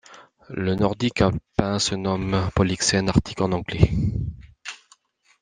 Le Nordique alpin se nomme Polixenes Arctic en anglais.